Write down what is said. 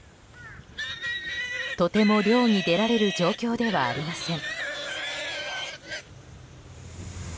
とても漁に出られる状況ではありません。